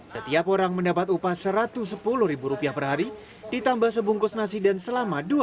setiap orang mendapat upah satu ratus sepuluh rupiah per hari ditambah sebungkus nasi dan selama